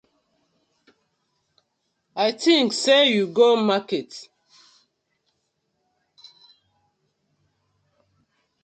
A tink sey you go market.